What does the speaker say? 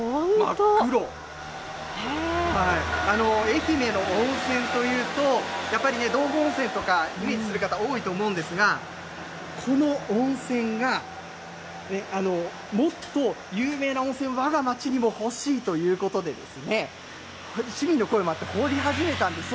愛媛の温泉というと、やっぱりね、道後温泉とかイメージする方多いと思うんですが、この温泉がね、もっと有名な温泉、わが町にも欲しいということでですね、市民の声もあって掘り始めたんです。